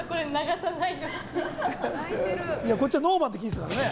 こっちはノーバンって聞いてたからね。